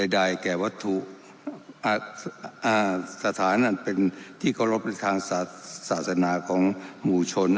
ใดแก่วัตถุสถานที่เขารบเป็นทางศาสนาของหมู่ชน